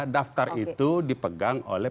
daftar itu dipegang oleh